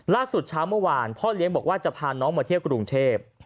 เช้าเมื่อวานพ่อเลี้ยงบอกว่าจะพาน้องมาเที่ยวกรุงเทพ